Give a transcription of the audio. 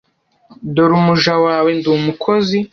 dore umuja wawe ndi umukozi